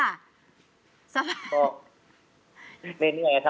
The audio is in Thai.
ครับครับไม่เหนื่อยครับ